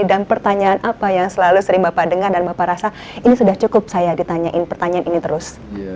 dan pertanyaan apa yang selalu sering bapak dengar dan bapak rasa ini sudah cukup saya ditanyain pertanyaan ini terus